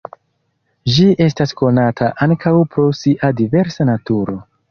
Ĝi estas konata ankaŭ pro sia diversa naturo.